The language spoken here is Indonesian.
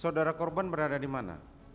saudara korban berada di mana